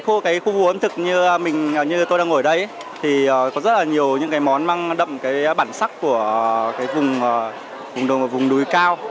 trong khu vụ ẩm thực như tôi đang ngồi đây thì có rất là nhiều món mang đậm bản sắc của vùng đuối cao